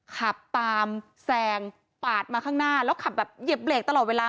ขับตามแซงปาดมาข้างหน้าแล้วขับแบบเหยียบเบรกตลอดเวลา